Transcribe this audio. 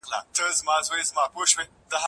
زورور کس ته چوپ پاتې کېږي.